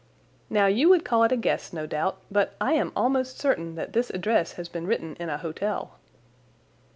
Now, you would call it a guess, no doubt, but I am almost certain that this address has been written in a hotel."